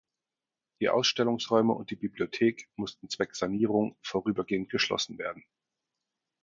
Die Ausstellungsräume und die Bibliothek mussten zwecks Sanierung vorübergehend geschlossen werden.